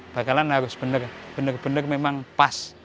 bakalan harus benar benar memang pas